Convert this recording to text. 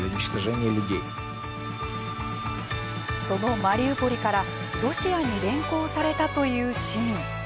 そのマリウポリからロシアに連行されたという市民。